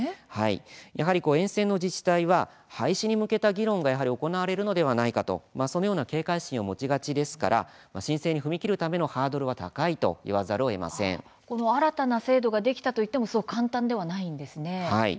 やはり沿線の自治体は廃止に向けた議論が行われるのではないかという警戒心を持ちがちですから申請に踏み切るためのハードルは新たな制度ができたといっても簡単ではないんですね。